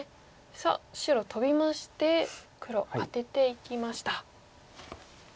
さあ白トビまして黒アテていきました。